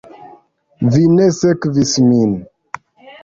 Vi ne sekvis min.